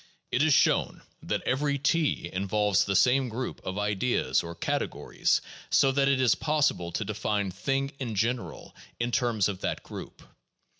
It is shown that every T involves the same group of ideas or cate gories, so that it is possible to define thing in general in terms of that group.